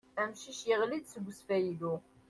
Amcic yaɣli-d seg usfayly.